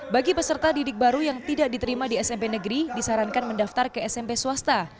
bagi peserta didik baru yang tidak diterima di smp negeri disarankan mendaftar ke smp swasta